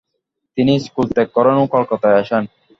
তিনি স্কুল ত্যাগ করেন ও কলকাতায় আসেন।